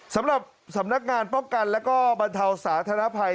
สำหรับสำนักงานป้องกันและก็บรรเทาสาธารณภัย